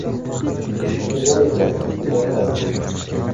Kuni bor ekan, o‘lmay qoldi.